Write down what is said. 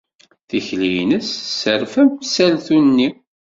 Tikli-nnes tesserfa amsaltu-nni.